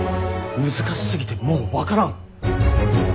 難しすぎてもう分からん。